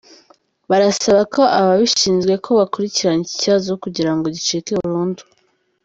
Barasaba ko ababishinzwe ko bakurikirana iki kibazo kugira ngo gicike burundu.